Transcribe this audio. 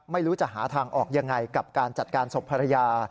ไม่รู้จะหาทางออกยังไงกับการจัดการศพภรรยา